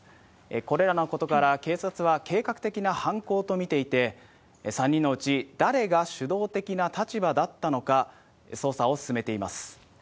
これらのことから、警察は計画的な犯行と見ていて、３人のうち誰が主導的な立場だったのか、捜査を進めています。